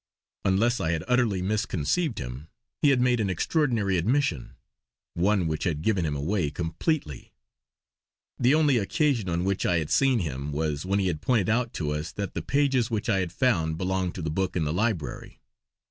Unless I had utterly misconceived him, he had made an extraordinary admission; one which had given him away completely. The only occasion on which I had seen him was when he had pointed out to us that the pages which I had found belonged to the book in the library.